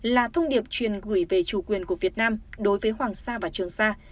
là thông điệp truyền gửi về chủ quyền của việt nam đối với hoàng sa và trường sa